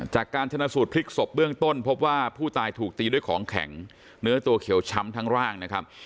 จากการชนะสูตรพลิกศพเบื้องต้นพบว่าผู้ตายถูกตีด้วยของแข็งเนื้อตัวเขียวช้ำทั้งร่างนะครับ